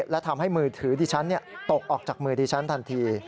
และทำให้มือถือดิฉันตกออกจากมือดิฉันทันที